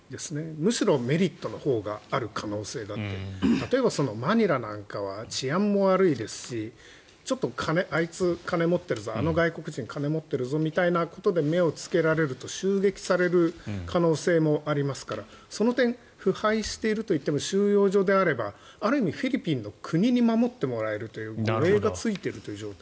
むしろメリットのほうがある可能性があって例えばマニラなんかは治安も悪いですしちょっとあいつ、金持ってるぞあの外国人金持ってるぞみたいなことで目をつけられると襲撃される可能性もありますからその点、腐敗しているといっても収容所であればある意味、フィリピンの国に守ってもらえるという護衛がついている状態。